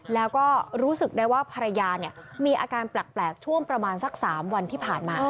แล้วก็รู้สึกได้ว่าภรรยามีอาการแปลกช่วงประมาณสัก๓วันที่ผ่านมา